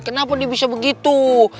kenapa dia bisa begitu